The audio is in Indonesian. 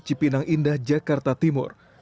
cipinang indah jakarta timur